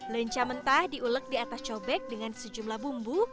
lenca mentah diulek di atas cobek dengan sejumlah bumbu